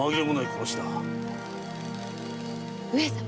上様。